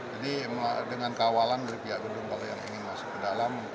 jadi dengan kawalan dari pihak gedung kalau yang ingin masuk ke dalam